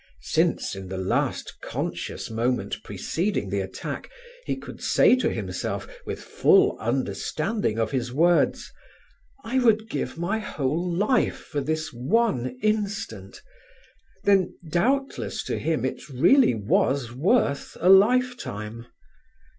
Since, in the last conscious moment preceding the attack, he could say to himself, with full understanding of his words: "I would give my whole life for this one instant," then doubtless to him it really was worth a lifetime.